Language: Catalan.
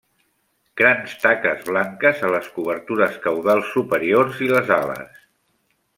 Grans taques blanques a les cobertores caudals superiors i les ales.